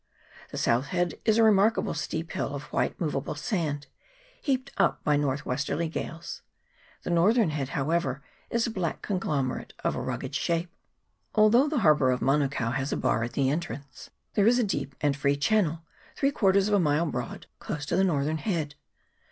The south head is a remarkable steep hill of white moveable sand, heaped up by north westerly gales ; the northern head, however, is a black conglomerate of a rugged shape. Although the harbour of Manukao has a bar at the entrance, there is a deep and free channel three quarters of a mile broad close to the northern head.